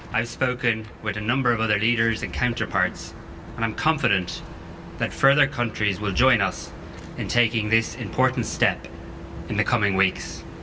saya telah berbicara dengan beberapa pemimpin dan kawan kawan lain dan saya yakin bahwa negara negara lain akan bergabung dengan kami dalam mengambil langkah penting ini dalam minggu depan